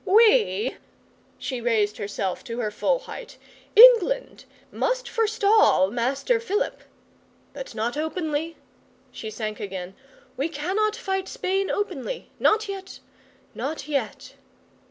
We' she raised herself to her full height 'England must forestall Master Philip. But not openly,' she sank again 'we cannot fight Spain openly not yet not yet.